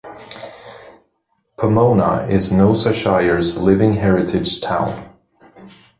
Pomona is Noosa Shire's 'living heritage town'.